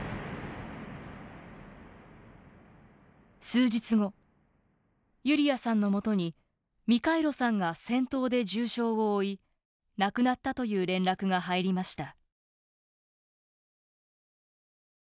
数日後、ユリアさんのもとにミカイロさんが戦闘で重傷を負い亡くなったという連絡が入りました。